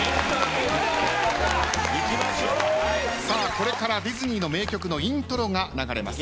これからディズニーの名曲のイントロが流れます。